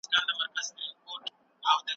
یوه ورځ له خپل پاړسوبه وي چاودلی